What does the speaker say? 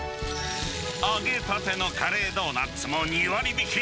揚げたてのカレードーナツも２割引き。